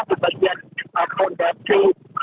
di bagian kondasi